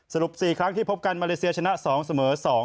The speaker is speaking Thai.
สรุป๔ครั้งที่พบกันมาเลเซียชนะ๒เสมอ๒